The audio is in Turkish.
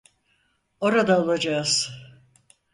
Orada olacağız.